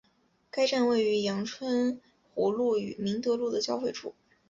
该站位于杨春湖路与明德路的交汇处。